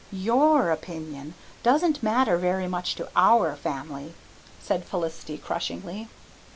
"YOUR opinion doesn't matter very much to our family," said Felicity crushingly.